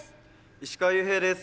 石川裕平です。